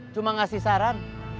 cuma ngasih saran